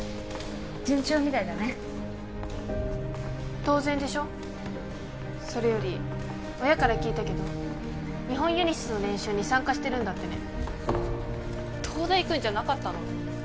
順調みたいだね当然でしょそれより親から聞いたけど日本ユニシスの練習に参加してるんだってね東大行くんじゃなかったの？